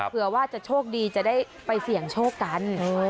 เผื่อว่าจะโชคดีจะได้ไปเสี่ยงโชคกัน